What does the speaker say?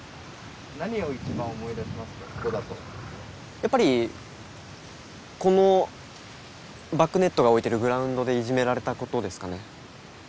やっぱりこのバックネットが置いてるグラウンドでいじめられたことですかね。